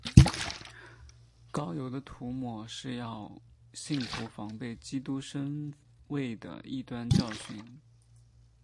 膏油的涂抹是要信徒防备基督身位的异端教训。